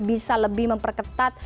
bisa lebih memperketat